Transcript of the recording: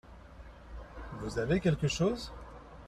Vous avez quleque chose ?